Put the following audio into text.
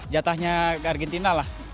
jatahnya ke argentina lah